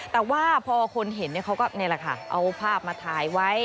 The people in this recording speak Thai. แต่ว่าพอคนเห็นเขาก็นี่แหละค่ะเอาภาพมาถ่ายไว้